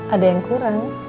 ada yang kurang